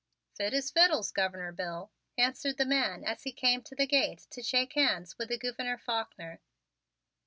"Fit as fiddles, Governor Bill," answered the man as he came to the gate to shake hands with the Gouverneur Faulkner.